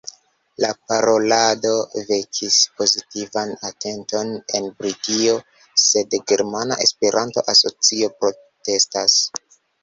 La parolado vekis pozitivan atenton en Britio, sed Germana Esperanto-Asocio protestas.